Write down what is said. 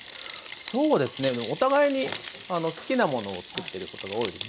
そうですねお互いに好きなものを作ってることが多いです。